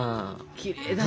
きれいだね。